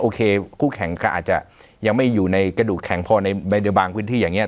คู่แข่งก็อาจจะยังไม่อยู่ในกระดูกแข็งพอในบางพื้นที่อย่างนี้